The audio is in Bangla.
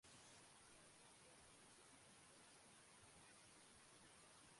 কৃষক আন্দোলনের সাথে এর সংযোগ রয়েছে।